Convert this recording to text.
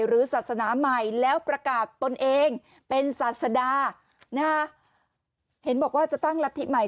หรือศาสนาใหม่แล้วประกาศตนเองเป็นศาสดานะฮะเห็นบอกว่าจะตั้งรัฐธิใหม่